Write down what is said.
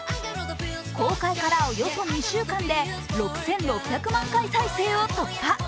公開からおよそ２週間で６６００万回再生を突破。